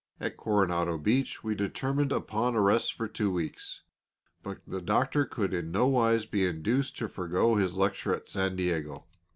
At Coronado Beach we determined upon a rest for two weeks; but the Doctor could in no wise be induced to forego his lecture at San Diego.